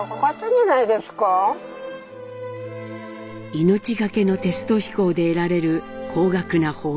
命懸けのテスト飛行で得られる高額な報酬。